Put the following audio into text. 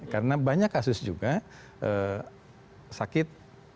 karena banyak kasus juga sakit